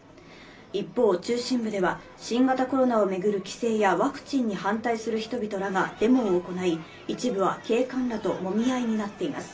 一方、中心部では新型コロナを巡る規制やワクチンに反対する人々らがデモを行い、一部は警官らともみ合いになっています。